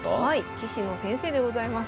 棋士の先生でございます。